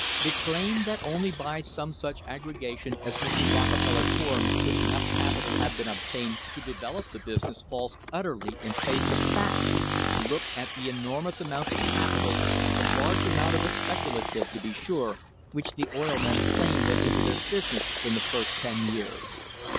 The claim that only by some such aggregation as Mr. Rocke feller formed could enough capital have been obtained to develop the business falls utterly in face of fact. Look at the THE HISTORY OF THE STANDARD OIL COMPANY enormous amounts of capital, a large amount of it speculative, to be sure, which the oil men claim went into their business in the first ten years.